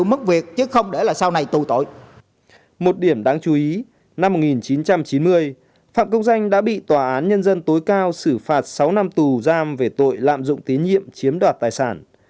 một điểm đáng chú ý năm một nghìn chín trăm chín mươi phạm công danh đã bị tòa án nhân dân tối cao xử phạt sáu năm tù giam về tội lạm dụng tín nhiệm chiếm đoạt tài sản